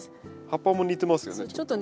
葉っぱも似てますよね。